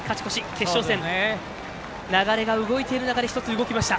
決勝戦の流れが動いている中で１つ動きました。